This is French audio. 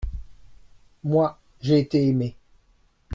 Moi, j’ai été aimé.